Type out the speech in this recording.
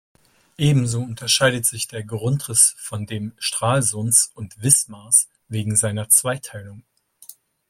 Ebenso unterscheidet sich der Grundriss von dem Stralsunds und Wismars wegen seiner Zweiteilung.